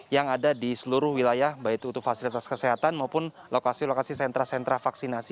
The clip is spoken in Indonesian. yang ada di seluruh wilayah baik itu untuk fasilitas kesehatan maupun lokasi lokasi sentra sentra vaksinasi